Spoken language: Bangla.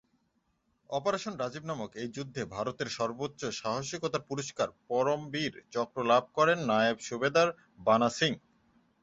অপারেশন রাজীব নামক এই যুদ্ধে ভারতের সর্বোচ্চ সাহসিকতার পুরস্কার পরমবীর চক্র লাভ করেন নায়েব সুবেদার বানা সিং।